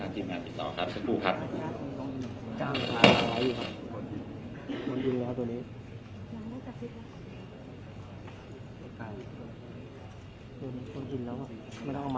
ทีมงานติดต่อครับ